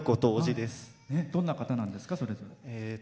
どんな方なんですか？